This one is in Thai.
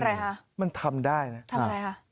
อะไรคะมันทำได้นะทำอะไรคะ